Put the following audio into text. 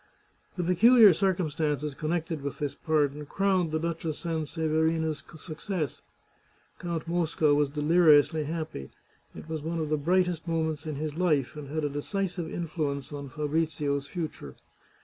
The peculiar circumstances connected with this pardon crowned the Duchess Sanseverina's success. Count Mosca was deliriously happy. It was one of the brightest mo ments in his life, and had a decisive influence on Fabrizio's future.